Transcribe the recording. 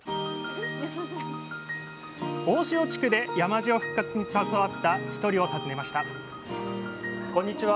大塩地区で山塩復活に携わった一人を訪ねましたこんにちは。